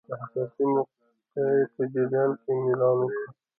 د حساسې مقطعې په جریان کې میلان وکړي.